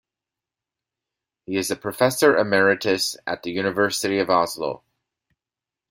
He is a Professor Emeritus at the University of Oslo.